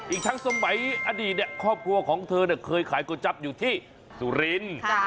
อีกทั้งสมัยอดีตครอบครัวของเธอเคยขายก๋วยจับอยู่ที่สุรินทร์